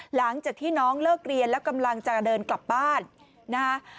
หลังจากที่น้องเลิกเรียนแล้วกำลังจะเดินกลับบ้านนะฮะ